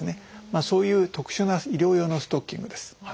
そういう特殊な医療用のストッキングです。